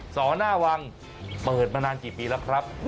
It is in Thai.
สอหน้าวังเปิดมานานกี่ปีแล้วครับ